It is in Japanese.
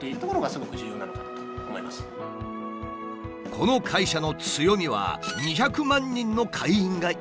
この会社の強みは２００万人の会員がいること。